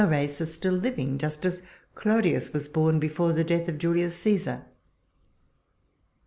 ir:9 race are still living ; just as Clodius was born before the death of Julius Caesar.